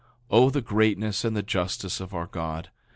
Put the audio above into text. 9:17 O the greatness and the justice of our God!